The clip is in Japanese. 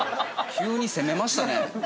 急に攻めましたね。